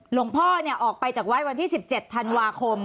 หลวงพ่อออกไปจากวัดวันที่๑๗ธันวาคม